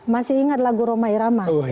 masih ingat lagu roma irama